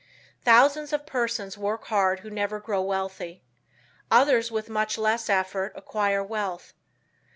Thousands of persons work hard who never grow wealthy. Others with much less effort acquire wealth.